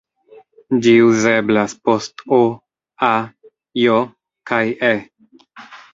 Ĝi uzeblas post "-o", "-a", "-j" kaj "-e".